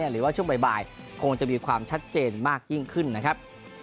หรือว่าช่วงบ่ายคงจะมีความชัดเจนมากยิ่งขึ้นนะครับ